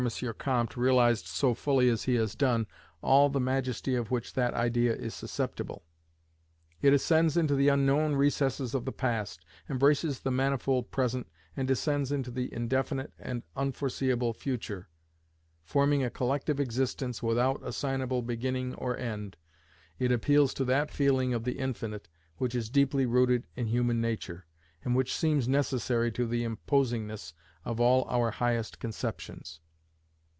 Comte, realized so fully as he has done, all the majesty of which that idea is susceptible. It ascends into the unknown recesses of the past, embraces the manifold present, and descends into the indefinite and unforeseeable future, forming a collective Existence without assignable beginning or end, it appeals to that feeling of the Infinite, which is deeply rooted in human nature, and which seems necessary to the imposingness of all our highest conceptions.